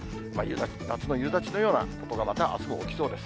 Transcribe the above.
夏の夕立のようなことがまたあすも置きそうです。